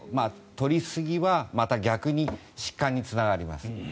取りすぎはまた逆に疾患につながります。